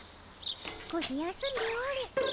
少し休んでおれ。